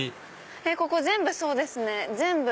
ここ全部そうですね。